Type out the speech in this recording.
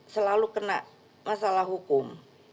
selalu kena masalah hukum